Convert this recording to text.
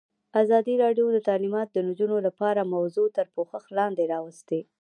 ازادي راډیو د تعلیمات د نجونو لپاره موضوع تر پوښښ لاندې راوستې.